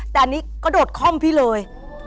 แต่อันนี้กระโดดคล่อมพี่เลย